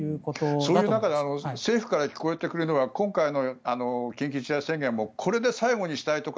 そういう中で政府から聞こえてくるのは今回の緊急事態宣言もこれで最後にしたいとか